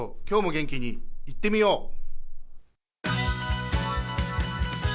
今日も元気にいってみよう！